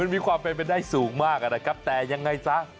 มีความเป็นไปได้สูงมากนะครับแต่ยังไงซะ